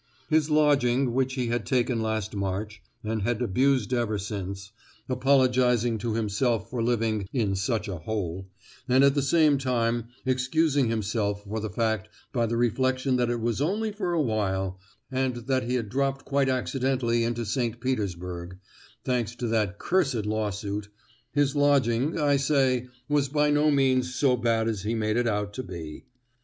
His lodging, which he had taken last March, and had abused ever since, apologising to himself for living "in such a hole," and at the same time excusing himself for the fact by the reflection that it was only for a while, and that he had dropped quite accidentally into St. Petersburg—thanks to that cursed lawsuit!—his lodging, I say, was by no means so bad as he made it out to be!